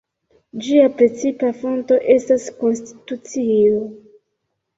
Ĝia precipa fonto estas konstitucio.